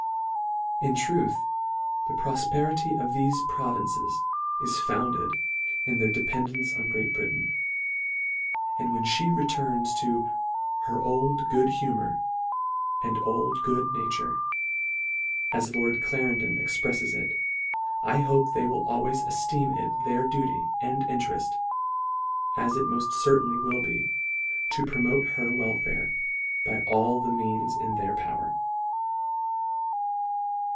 In truth, the profperity of thefe provinces is founded in their dependance on Great Britain ; and when flie returns to " her old " good humour, and old good nature," as Lord Clerendon expreffes it, I hope they will always efteem it their duty and intereft, as it moft certainly will be, to promote her welfare by all the means in their power.